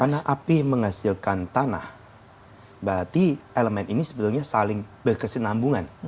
karena api menghasilkan tanah berarti elemen ini sebetulnya saling berkesinambungan